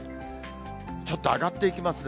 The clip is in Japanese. ちょっと上がっていきますね。